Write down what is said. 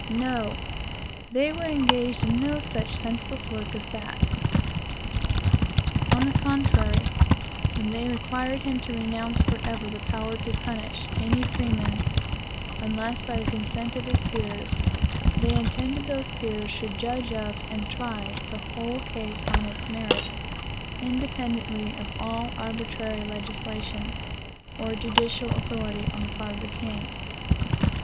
No. They were engaged in no such senseless work as that. On the contrary, when they required him to renounce forever the power to punish any freeman, unless by the consent of his peers, they intended those powers should judge of, and try, the whole case on its merits, independently of all arbitrary legislation, or judicial authority, on the part of the king.